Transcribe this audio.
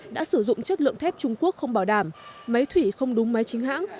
đã sử dụng chất lượng thép trung quốc không bảo đảm máy thủy không đúng máy chính hãng